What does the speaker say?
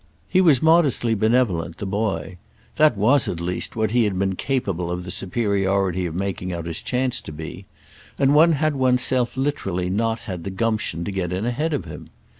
He was modestly benevolent, the boy—that was at least what he had been capable of the superiority of making out his chance to be; and one had one's self literally not had the gumption to get in ahead of him.